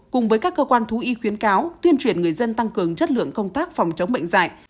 cùng với các cơ quan thú y khuyến cáo tuyên truyền người dân tăng cường chất lượng công tác phòng chống bệnh dạy